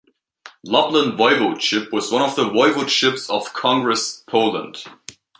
Lublin Voivodeship was one of the voivodeships of Congress Poland.